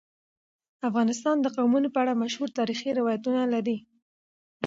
افغانستان د قومونه په اړه مشهور تاریخی روایتونه لري.